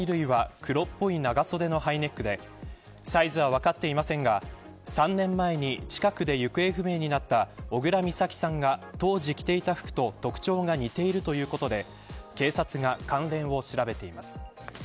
警察によりますと見つかった衣類は黒っぽい長袖のハイネックでサイズは分かっていませんが３年前に近くで行方不明になった小倉美咲さんが当時着ていた服と特徴が似ているということで警察が関連を調べています。